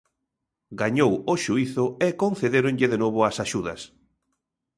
Gañou o xuízo e concedéronlle de novo as axudas.